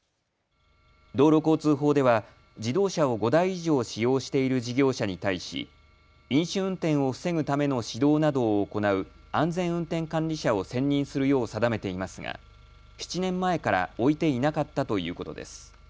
道路交通法では自動車を５台以上使用している事業者に対し飲酒運転を防ぐための指導などを行う安全運転管理者を選任するよう定めていますが７年前から置いていなかったということです。